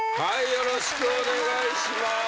よろしくお願いします。